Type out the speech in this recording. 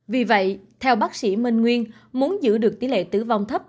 vì vậy theo bác sĩ minh nguyên muốn giữ được tỷ lệ tử vong thấp